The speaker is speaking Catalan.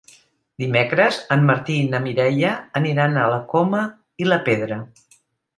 Dimecres en Martí i na Mireia aniran a la Coma i la Pedra.